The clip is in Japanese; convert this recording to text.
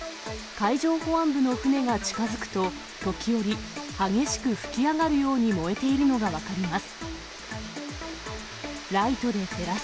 海上保安部の船が近づくと、時折、激しく噴き上がるように燃えているのが分かります。